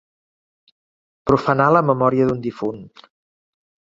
Profanar la memòria d'un difunt.